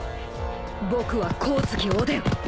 僕は光月おでん